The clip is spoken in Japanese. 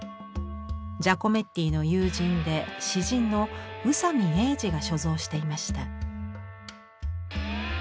ジャコメッティの友人で詩人の宇佐見英治が所蔵していました。